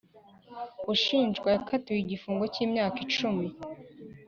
ushinjwa yakatiwe igifungo cy’imyaka icumi.